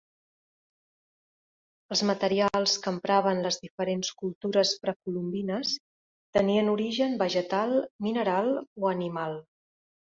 Els materials que empraven les diferents cultures precolombines tenien origen vegetal, mineral o animal.